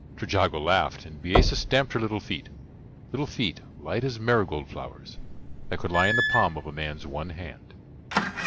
Trejago laughed and Bisesa stamped her little feet little feet, light as marigold flowers, that could lie in the palm of a man's one hand.